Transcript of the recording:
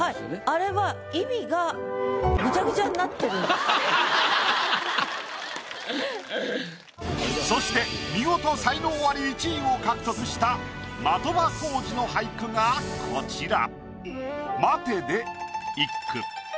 あれはそして見事才能アリ１位を獲得した的場浩司の俳句がこちら。